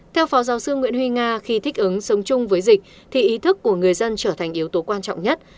theo phó giáo sư nguyễn huy nga khi thích ứng sống chung với dịch thì ý thức của người dân trở thành yếu tố quan trọng nhất